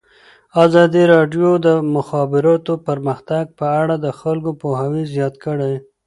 ازادي راډیو د د مخابراتو پرمختګ په اړه د خلکو پوهاوی زیات کړی.